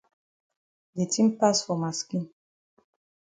De tin pass for ma skin.